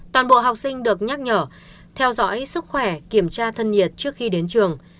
toàn bộ học sinh được nhắc nhở theo dõi sức khỏe kiểm tra thân nhiệt trước khi đến trường